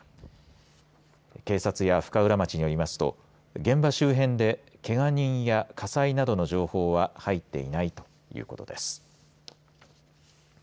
警察や深浦町によりますと現場周辺で、けが人や火災などの情報は入っていないということです。